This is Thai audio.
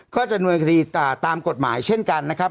ก็จะนวยคดีตามกฎหมายเช่นกันนะครับ